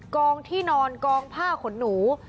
กองที่นอนกองผ้าขนหนู